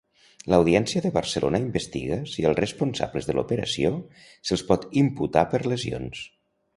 L'Audiència de Barcelona investiga si als responsables de l'operació se'ls pot imputar per lesions.